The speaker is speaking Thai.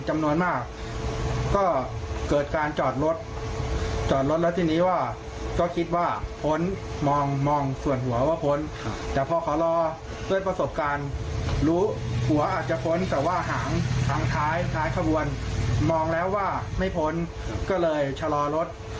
มองแล้วว่าไม่พ้นก็เลยชะลอรถ